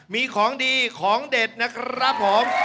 มีของดีของเด็ดนะครับผม